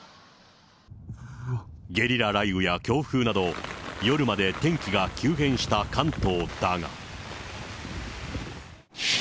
ゲリラ雷雨や強風など、夜まで天気が急変した関東だが。